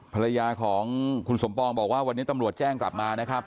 ภรรยาของคุณสมปองบอกว่าวันนี้ตำรวจแจ้งกลับมานะครับ